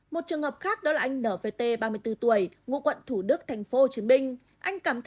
một trường hợp khác đó là anh n v t ba mươi bốn tuổi ngũ quận thủ đức tp hcm